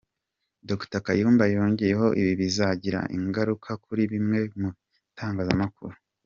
Dr Kayumba yongeho ibi bizagira ingaruka kuri bimwe mu bitangazamakuru.